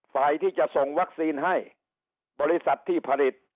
ฝ่ายที่จะส่งวัคซีนให้บริษัทที่ผลิต